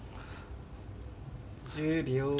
１０秒。